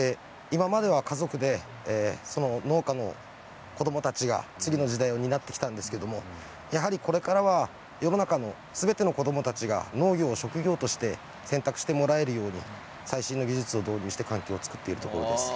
今までは家族で農家の子どもたちが次の時代を担ってきたんですけれどもやはりこれからは世の中のすべての子どもたちが農業を職業として選択してもらえるように最新の技術を導入して環境を作っているところです。